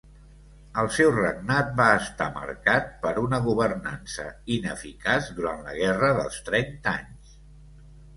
El seu regnat va estar marcat per una governança ineficaç durant la Guerra dels Trenta anys.